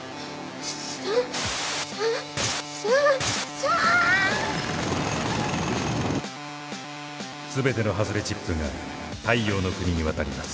３！全ての外れチップが太陽ノ国に渡ります。